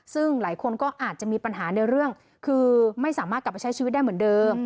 ซึ่งหลายคนก็อาจจะมีปัญหาในเรื่องคือไม่สามารถกลับไปใช้ชีวิตได้เหมือนเดิม